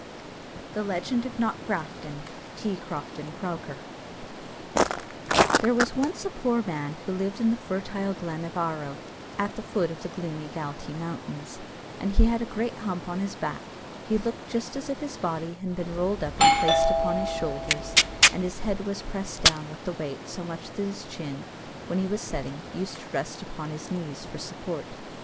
THE LEGEND OF KNOCKGRAFTON. T. CROFTON CROCKER. There was once a poor man who lived in the fertile glen of Aherlow, at the foot of the gloomy Galtee mountains, and he had a great hump on his back: he looked just as if his body had been rolled up and placed upon his shoulders; and his head was pressed down with the weight so much that his chin, when he was sitting, used to rest upon his knees for support.